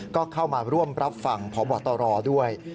ก็เข้ามาร่วมรับฟังพบตรด้วย